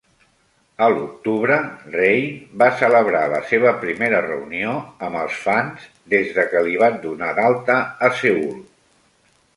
A l"octubre, Rain va celebrar la seva primera reunió amb els fans des de que li van donar d"alta a Seül.